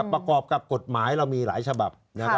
ประกอบกับกฎหมายเรามีหลายฉบับ